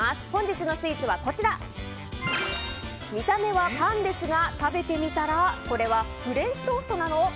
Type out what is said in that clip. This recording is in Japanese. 本日のスイーツは見た目はパンですが食べてみたらこれはフレンチトーストなの？